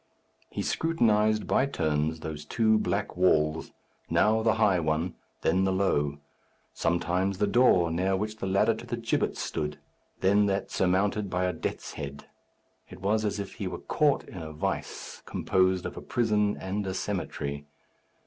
He scrutinized by turns those two black walls, now the high one, then the low; sometimes the door near which the ladder to the gibbet stood, then that surmounted by a death's head. It was as if he were caught in a vice, composed of a prison and a cemetery.